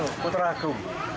dari putra agung